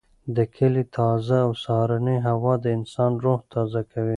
د کلي تازه او سهارنۍ هوا د انسان روح تازه کوي.